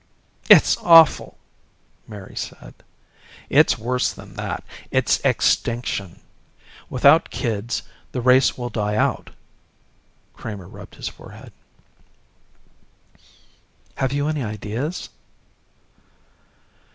"It's awful!" Mary said. "It's worse than that. It's extinction. Without kids the race will die out." Kramer rubbed his forehead. "Have you any ideas?"